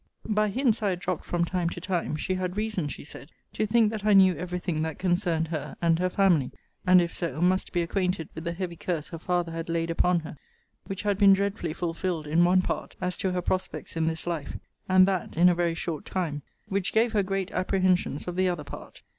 By hints I had dropt from time to time, she had reason, she said, to think that I knew every thing that concerned her and her family; and, if so, must be acquainted with the heavy curse her father had laid upon her; which had been dreadfully fulfilled in one part, as to her prospects in this life, and that in a very short time; which gave her great apprehensions of the other part.